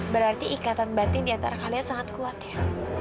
berarti ikatan batin di antara kalian sangat kuat ya